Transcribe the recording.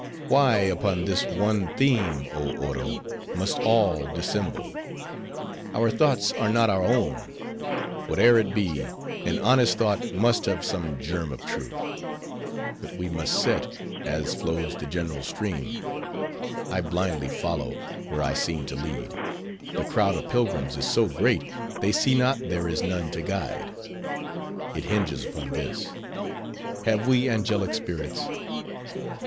Why, upon this one theme, oh Oro! must all dissemble? Our thoughts are not our own. Whate'er it be, an honest thought must have some germ of truth. But we must set, as flows the general stream; I blindly follow, where I seem to lead; the crowd of pilgrims is so great, they see not there is none to guide.—It hinges upon this: Have we angelic spirits?